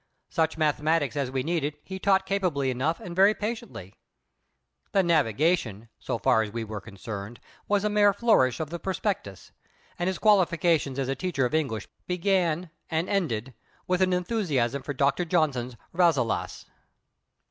Such mathematics as we needed he taught capably enough and very patiently. The "navigation," so far as we were concerned, was a mere flourish of the prospectus; and his qualifications as a teacher of English began and ended with an enthusiasm for Dr. Johnson's "Rasselas."